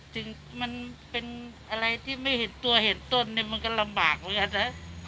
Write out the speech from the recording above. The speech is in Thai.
ถึงมันเป็นอะไรที่ไม่เห็นตัวเห็นต้นเนี่ยมันก็ลำบากเหมือนกันนะ